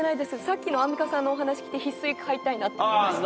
さっきのアンミカさんのお話聞いてひすい買いたいなって思いました。